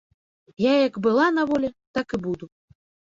Я як была на волі, так і буду.